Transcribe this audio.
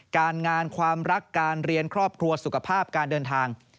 การงานความรักการเรียนครอบครัวสุขภาพการเดินทาง